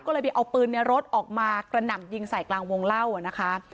ก็เลยไปเอาปืนในรถออกมากระหน่ำยิงใส่กลางวงเล่านะคะ